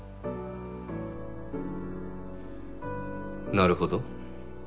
なるほど。